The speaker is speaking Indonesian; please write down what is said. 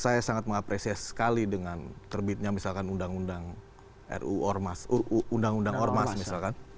saya sangat mengapresiasi sekali dengan terbitnya misalkan undang undang ormas misalkan